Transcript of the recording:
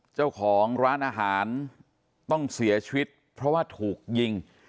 เจ้าของร้านอาหารต้องเสียชีวิตเพราะว่าถูกยิง